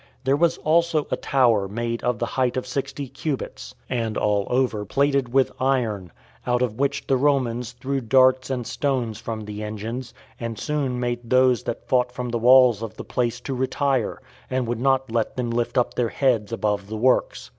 There was also a tower made of the height of sixty cubits, and all over plated with iron, out of which the Romans threw darts and stones from the engines, and soon made those that fought from the walls of the place to retire, and would not let them lift up their heads above the works.